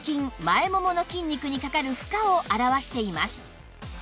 前ももの筋肉にかかる負荷を表しています